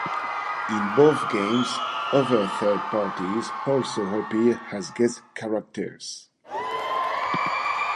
In both games, other third parties also appear as guest characters.